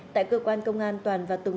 tại cơ quan công an toàn và tùng